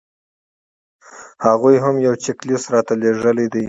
هغوی هم یو چیک لیست راته رالېږلی دی.